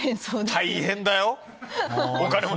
大変だよ。